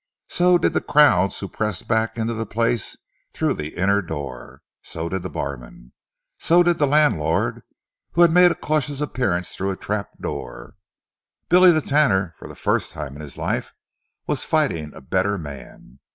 So did the crowds who pressed back into the place through the inner door. So did the barman. So did the landlord, who had made a cautious appearance through a trapdoor. Billy the Tanner, for the first time in his life, was fighting a better man.